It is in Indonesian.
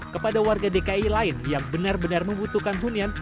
kepada warga dki lain yang benar benar membutuhkan hunian